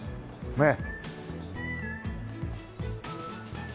ねえ。